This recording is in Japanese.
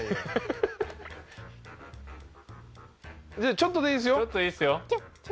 ちょっとでいいですよ。